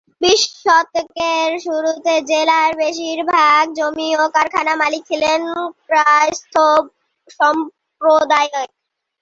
বিশ শতকের শুরুতে জেলার বেশিরভাগ জমি ও কারখানার মালিক ছিলেন কায়স্থ সম্প্রদায়ের।